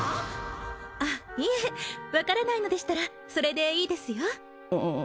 あっいえ分からないのでしたらそれでいいですようん？